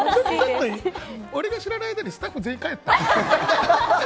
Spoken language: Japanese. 俺が知らない間にスタッフ全員帰った？